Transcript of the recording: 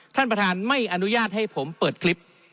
ท่านประธานไม่อนุญาตให้ผมเปิดคลิป